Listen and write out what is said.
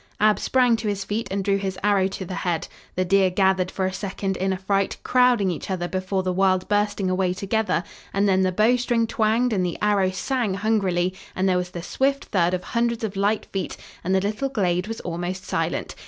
Ab sprang to his feet and drew his arrow to the head. The deer gathered for a second in affright, crowding each other before the wild bursting away together, and then the bow string twanged, and the arrow sang hungrily, and there was the swift thud of hundreds of light feet, and the little glade was almost silent.